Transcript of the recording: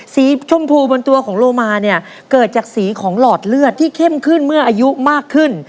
สีชมพูบรรตัวของรมเนี่ยเกิดจากสีของหลอดเลือดที่เข้มอายุมากขึ้น